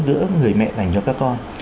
giữa người mẹ dành cho các con